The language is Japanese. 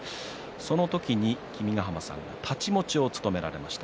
その時に君ヶ濱さんが太刀持ちを務められました。